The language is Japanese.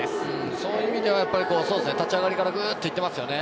そういう意味では立ち上がりからグッと行っていますよね。